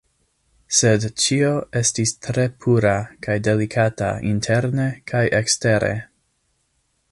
Sed ĉio estis tre pura kaj delikata interne kaj ekstere.